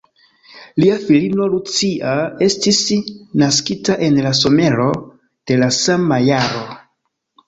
Lia filino Lucia estis naskita en la somero da la sama jaro.